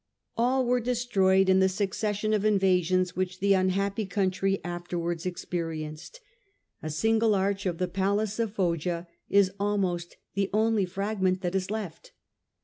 All were destroyed in the succession of invasions which the unhappy country afterwards experienced : a single arch of the Palace of Foggia is almost the only fragment that is left.